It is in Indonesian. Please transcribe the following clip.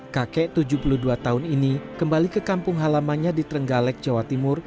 kakek tujuh puluh dua tahun ini kembali ke kampung halamannya di trenggalek jawa timur